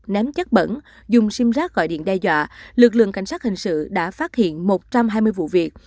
ném chất bẩn dùng sim rác gọi điện đe dọa lực lượng cảnh sát hình sự đã phát hiện một trăm hai mươi vụ việc